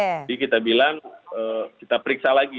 jadi kita bilang kita periksa lagi nih